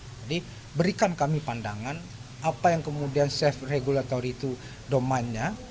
jadi berikan kami pandangan apa yang kemudian safe regulatory to domainnya